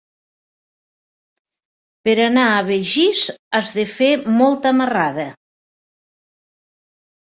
Per anar a Begís has de fer molta marrada.